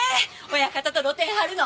親方と露店張るの。